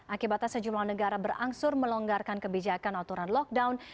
akibatnya sejumlah negara berangsur melonggarkan kebijakan aturan lockdown